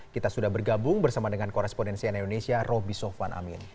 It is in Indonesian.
kita sudah bergabung bersama dengan korespondensian indonesia roby sofwan amin